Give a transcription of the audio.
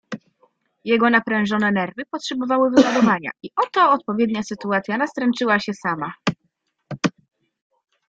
"Jego naprężone nerwy potrzebowały wyładowania i oto odpowiednia sytuacja nastręczyła się sama."